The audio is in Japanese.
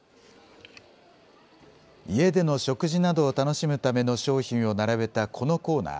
家での食事などを楽しむための商品を並べたこのコーナー。